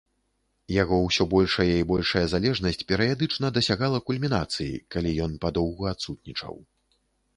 Яго ўсё большая і большая залежнасць перыядычна дасягала кульмінацыі, калі ён падоўгу адсутнічаў.